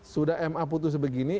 sudah ma putus begini